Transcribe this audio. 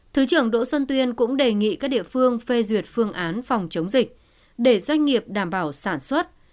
thứ trưởng đỗ xuân tuyên cũng đề nghị các địa phương phê duyệt phương án phòng chống dịch để doanh nghiệp đảm bảo sản xuất